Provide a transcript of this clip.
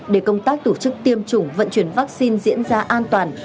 để công tác tổ chức tiêm chủng vận chuyển vaccine diễn ra an toàn